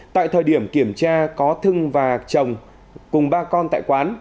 tại thời điểm kiểm tra có thương và chồng cùng ba con tại quán